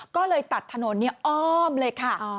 ก็เลยตัดถนนอ้อมเลยค่ะ